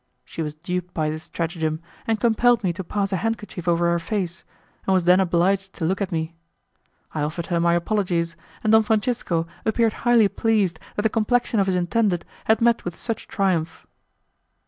She was duped by this stratagem, and compelled me to pass a handkerchief over her face, and was then obliged to look at me. I offered her my apologies, and Don Francisco appeared highly pleased that the complexion of his intended had met with such triumph.